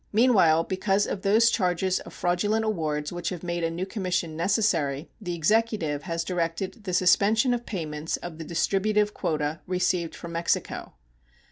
Meanwhile, because of those charges of fraudulent awards which have made a new commission necessary, the Executive has directed the suspension of payments of the distributive quota received from Mexico.